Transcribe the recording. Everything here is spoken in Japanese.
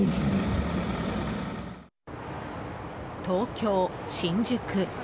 東京・新宿。